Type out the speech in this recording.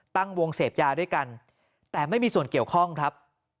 ตั้งวงเสพยาด้วยกันแต่ไม่มีส่วนเกี่ยวข้องครับ